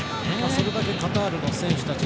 それだけカタールの選手たち